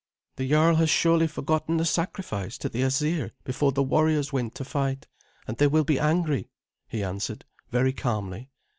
"The jarl has surely forgotten the sacrifice to the Asir before the warriors went to fight, and they will be angry," he answered very calmly.